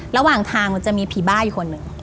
ระหว่างทางมันจะมีผีบ้าอยู่คนหนึ่ง